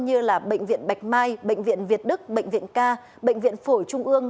như bệnh viện bạch mai bệnh viện việt đức bệnh viện ca bệnh viện phổi trung ương